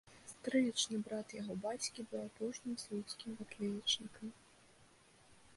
Стрыечны брат яго бацькі быў апошнім слуцкім батлеечнікам.